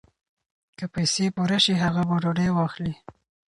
که پیسې پوره شي هغه به ډوډۍ واخلي.